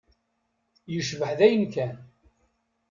Yecbeḥ dayen kan.